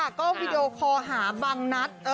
ค่ะก็วิดีโอขอหาบางนัท